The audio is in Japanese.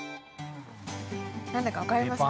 何だか分かりますか？